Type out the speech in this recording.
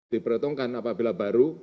diperhitungkan apabila baru